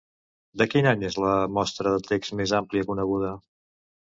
De quin any és la mostra de text més àmplia coneguda?